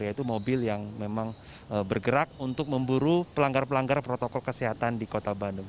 yaitu mobil yang memang bergerak untuk memburu pelanggar pelanggar protokol kesehatan di kota bandung